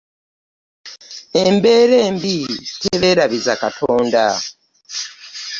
Embeera embi teberabiza Katonda.